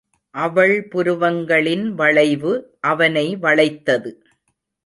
அவள் புருவங்களின் வளைவு அவனை வளைத்தது.